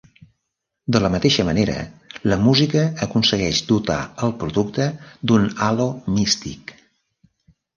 De la mateixa manera, la música aconsegueix dotar el producte d'un halo místic.